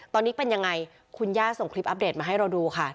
ตอนนี้เป็นยังไงคุณย่าส่งคลิปอัปเดตมาให้เราดูค่ะ